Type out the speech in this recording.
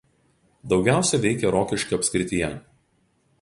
Daugiausia veikė Rokiškio apskrityje.